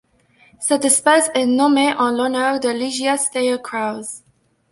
Cette espèce est nommée en l'honneur de Ligia Steyer Krause.